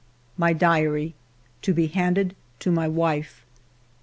MY DIARY (to be handed to my wife.)